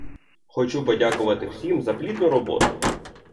Хочу подякувати всім за плідну роботу!